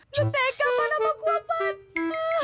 lo tega mana mah guapan